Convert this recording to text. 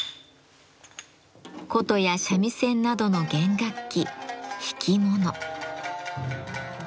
箏や三味線などの弦楽器「弾きもの」。